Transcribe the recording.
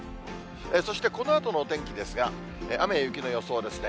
そしてこのあとのお天気ですが、雨や雪の予想ですね。